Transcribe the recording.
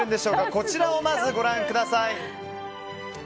こちらをご覧ください。